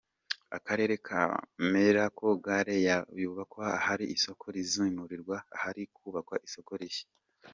Akarere kemera ko gare yazubakwa ahari isoko rizimurirwa ahari kubakwa isoko rishya.